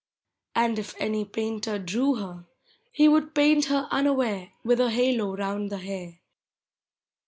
And if aiiy painter drew her, lie would paint her unaware With a halo round the hair.